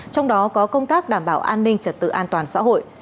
trong đó có công tác đảm bảo an ninh trật tự an toàn xã hội